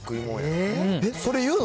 えっ、それ言うの？